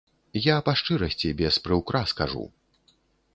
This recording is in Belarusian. Я па шчырасці, без прыўкрас кажу.